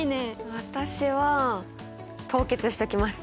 私は凍結しときます！